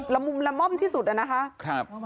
ละมอบที่สุดนะคะ